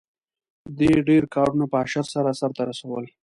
دې ډېر کارونه په اشر سره سرته رسول.